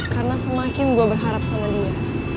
karena semakin gue berharap sama dia